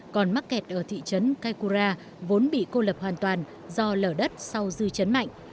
còn mắc kẹt ở thị trấn kaikura vốn bị cô lập hoàn toàn do lở đất sau dư chấn mạnh